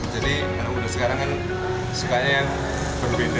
jadi anak muda sekarang kan sukanya yang berbeda